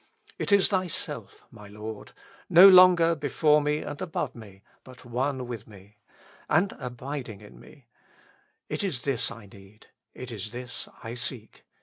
It is Thyself, my Lord, no longer before me and above me, but one with me, and abid ing in me ; it is this I need, it is this I seek.